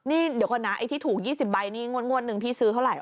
นี่เดี๋ยวก่อนนะไอ้ที่ถูก๒๐ใบนี่งวดหนึ่งพี่ซื้อเท่าไหร่